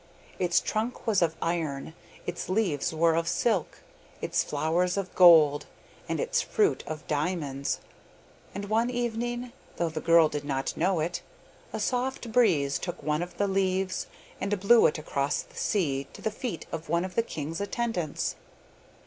Its trunk was of iron, its leaves were of silk, its flowers of gold, and its fruit of diamonds, and one evening, though the girl did not know it, a soft breeze took one of the leaves, and blew it across the sea to the feet of one of the king's attendants.